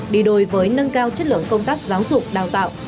đi đôi với nâng cao chất lượng công tác giáo dục đào tạo